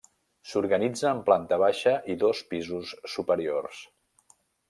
S'organitza en planta baixa i dos pisos superiors.